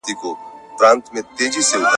• ماجت د گوزو ځاى نه دئ.